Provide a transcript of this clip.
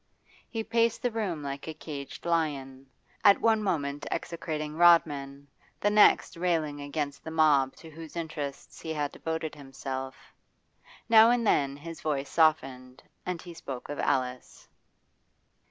He paced the room like a caged lion, at one moment execrating Rodman, the next railing against the mob to whose interests he had devoted himself. Now and then his voice softened, and he spoke of Alice.